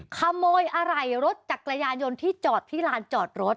ขโมยอะไรรถจากกระยานยนต์ที่ร้านจอดรถ